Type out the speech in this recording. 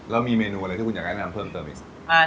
แล้วมีเมนูอะไรที่คุณอยากแนะนำเพิ่มเติมอีก